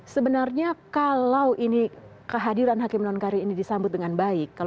sebenarnya kalau ini kehadiran hakim non kari ini disambut dengan baik